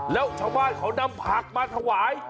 แล้วชาวบ้านเขานำผักมาถวาย